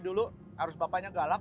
helai harus orang lain